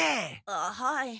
あはい。